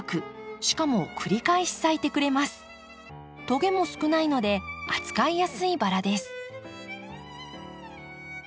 トゲも少ないので扱いやすいバラです。